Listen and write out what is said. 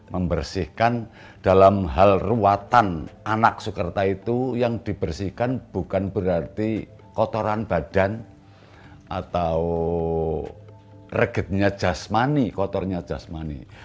membersihkan dalam hal ruatan anak sukerta itu yang dibersihkan bukan berarti kotoran badan atau regetnya jasmani kotornya jasmani